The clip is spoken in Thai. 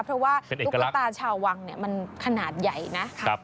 เพราะว่าตุ๊กตาชาววังมันขนาดใหญ่นะ